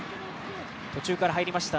途中から入りました